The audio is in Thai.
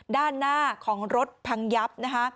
ด้านหน้าของรถพังยับนะคะ